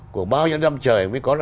của bao nhiêu năm trời mới có